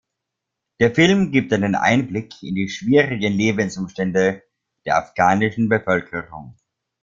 Der Film gibt einen Einblick in die schwierigen Lebensumstände der afghanischen Bevölkerung.